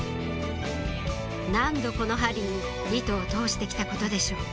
何度この針に糸を通して来たことでしょう